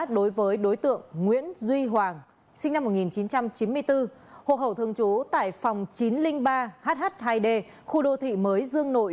đối với đối tượng nguyễn duy hoàng sinh năm một nghìn chín trăm chín mươi bốn hộ khẩu thường trú tại phòng chín trăm linh ba hh hai d khu đô thị mới dương nội